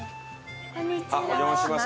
お邪魔します。